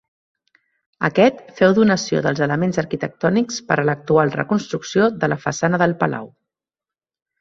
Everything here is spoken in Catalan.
Aquest féu donació dels elements arquitectònics per a l'actual reconstrucció de la façana del palau.